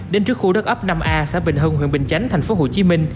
đến trước khu đất ấp năm a xã bình hưng huyện bình chánh tp hcm